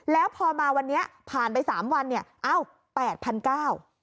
แล้วพอมาวันนี้ผ่านไป๓วันเนี่ยเอ้า๘๙๐๐บาท